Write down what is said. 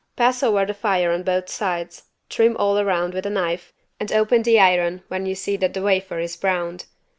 Pass over the fire on both sides, trim all around with a knife and open the iron when you see that the wafer is browned.